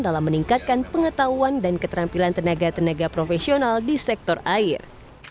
dalam meningkatkan pengetahuan dan keterampilan tenaga tenaga profesional di sektor air